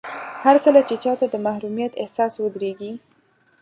هرکله چې چاته د محروميت احساس ودرېږي.